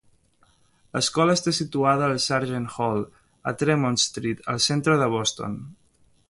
L'escola està situada a Sargent Hall, a Tremont Street, al centre de Boston.